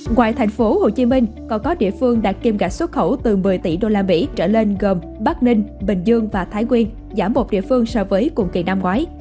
ngoài thành phố hồ chí minh còn có địa phương đạt kim gạch xuất khẩu từ một mươi tỷ usd trở lên gồm bắc ninh bình dương và thái nguyên giảm một địa phương so với cùng kỳ năm ngoái